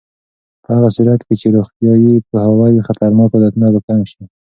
په هغه صورت کې چې روغتیایي پوهاوی وي، خطرناک عادتونه به کم شي.